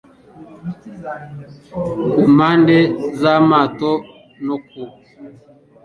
Ku mpande z'amato no ku